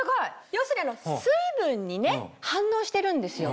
要するに水分にね反応してるんですよ。